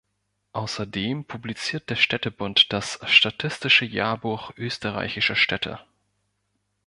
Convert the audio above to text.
Außerdem publiziert der Städtebund das "Statistische Jahrbuch österreichischer Städte.